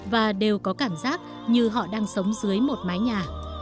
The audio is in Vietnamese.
và đều có cảm giác như họ đang sống dưới một mái nhà